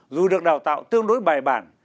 dù được đào tạo tương đối bài bản